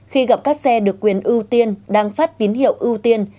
khi gặp các xe được quyền ưu tiên đang phát tín hiệu ưu tiên